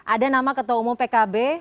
ada nama ketua umum pkb moha yusuf